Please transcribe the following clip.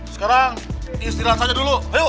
sekarang istilah saja dulu